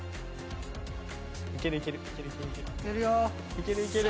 いけるいける。